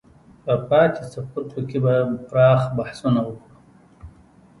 په پاتې څپرکو کې به پراخ بحثونه وکړو.